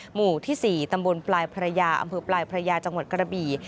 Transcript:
หมู่ที่๔ตำบลปลายพระยาอำเภอปลายพระยาจังหวัดกระบี่